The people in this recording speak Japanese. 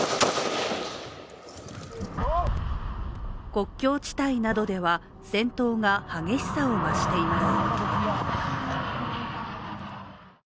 国境地帯などでは、戦闘が激しさを増しています。